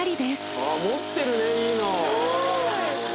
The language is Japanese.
あっ持ってるねいいの。